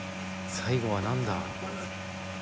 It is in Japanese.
最後は何だ？